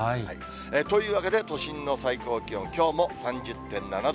というわけで、都心の最高気温、きょうも３０．７度。